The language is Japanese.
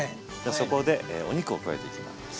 そこでお肉を加えていきます。